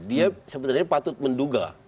dia sebenarnya patut menduga